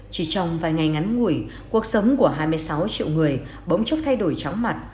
chỉ trong vài ngày ngắn ngủi cuộc sống của hai mươi sáu triệu người bỗng chốc thay đổi chóng mặt